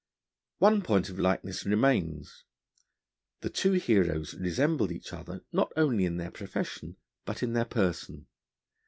One point of likeness remains. The two heroes resembled each other not only in their profession, but in their person.